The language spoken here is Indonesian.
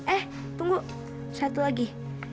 eh tunggu satu lagi